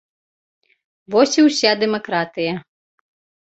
Вось і ўся дэмакратыя.